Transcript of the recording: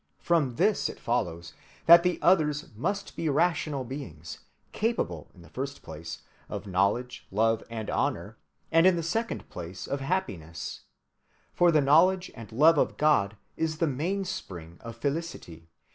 From this it follows that the others must be rational beings, capable in the first place of knowledge, love, and honor, and in the second place of happiness, for the knowledge and love of God is the mainspring of felicity.